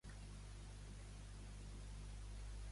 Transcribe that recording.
David Llorente és un polític nascut a Barcelona.